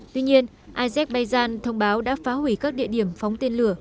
tuy nhiên azerbaijan thông báo đã phá hủy các địa điểm phóng tên lửa